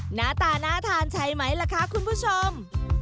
หน้าตาน่าทานใช่ไหมล่ะคะคุณผู้ชม